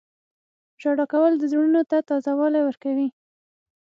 • ژړا کول د زړونو ته تازه والی ورکوي.